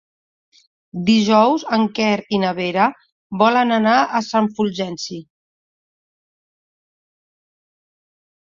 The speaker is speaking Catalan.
Dijous en Quer i na Vera volen anar a Sant Fulgenci.